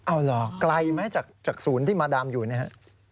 อ้าวเหรอไกลไหมจากโซนที่มาดามอยู่นี่ค่ะ